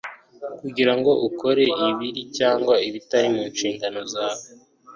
kugira ngo ukore ibiri cyangwa ibitari munshingano zawe.